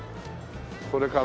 これから。